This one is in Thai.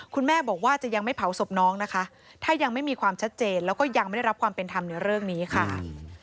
คุณแม่บอกว่าจะยังไม่เผาศพน้องนะคะถ้ายังไม่มีความชัดเจนแล้วก็ยังไม่ได้รับความเป็นธรรมในเรื่องนี้ค่ะ